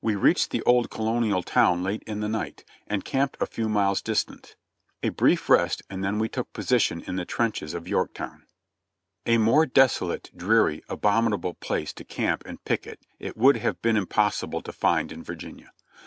We reached the old colonial town late in the night, and camped a few miles distant. A brief rest and then we took position in the trenches of Yorktown, A more desolate, dreary, abominable place to camp and picket it would have been impossible to find in Virginia.